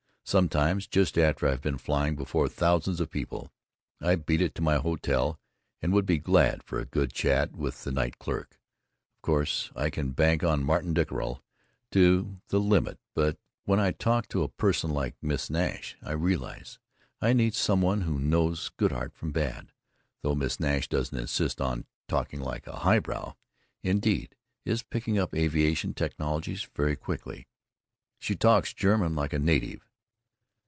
sometimes just after I have been flying before thousands of people I beat it to my hotel and would be glad for a good chat with the night clerk, of course I can bank on Martin Dockerill to the limit but when I talk to a person like Miss Nash I realize I need some one who knows good art from bad. Though Miss Nash doesn't insist on talking like a high brow, indeed is picking up aviation technologies very quickly. She talks German like a native.